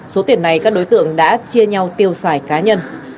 số tiền này các đối tượng đã chia nhau tiêu xài cá nhân